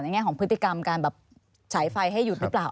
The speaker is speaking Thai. แง่ของพฤติกรรมการแบบฉายไฟให้หยุดหรือเปล่า